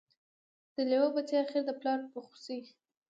د لېوه بچی آخر د پلار په خوی سي